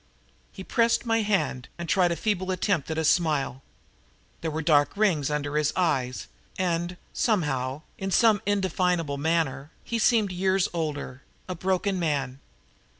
He pressed my hand and tried a feeble attempt at a smile. There were dark rings under his eyes, and, somehow, in some indefinable manner, he seemed years older, a broken old man.